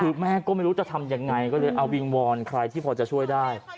คือแม่ก็ไม่รู้จะทำยังไงก็เลยเอาวิงวอนใครที่พอจะช่วยได้